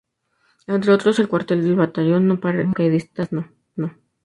Entre otros, el cuartel del batallón de paracaidistas No.